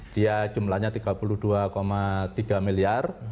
dia jumlahnya tiga puluh dua tiga miliar